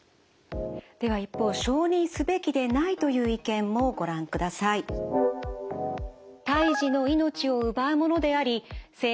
では一方「承認すべきでない」という意見もご覧ください。などです。